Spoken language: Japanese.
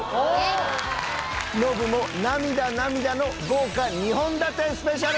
ノブも涙涙の豪華２本立てスペシャル！